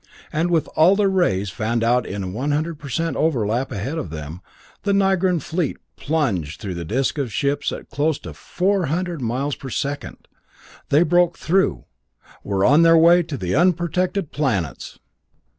And with all their rays fanned out in a 100% overlap ahead of them, the Nigran fleet plunged through the disc of ships at close to four hundred miles per second. They broke through were on their way to the unprotected planets!